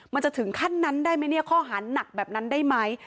มันจะถึงขั้นนั้นได้ไหมเนี่ยข้อหาหนักแบบนั้นได้ไหม